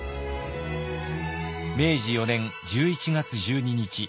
明治４年１１月１２日。